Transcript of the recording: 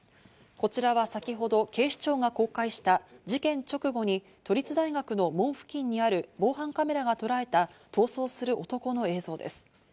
こちらは先ほど警視庁が公開した、事件直後に都立大学の門付近にある防犯カメラがとらえた逃走する男の映像です。